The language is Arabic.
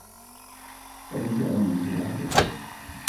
لدي ألم في ظهري.